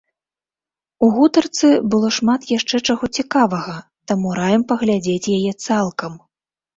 У гутарцы было шмат яшчэ чаго цікавага, таму раім паглядзець яе цалкам.